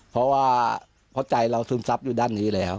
เพราะว่าเพราะใจเราซึมซับอยู่ด้านนี้แล้ว